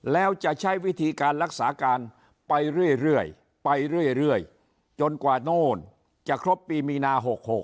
แล้วจะใช้วิธีการรักษาการไปเรื่อยไปเรื่อยจนกว่าโน่นจะครบปีมีนา๖๖